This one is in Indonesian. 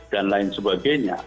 dan lain sebagainya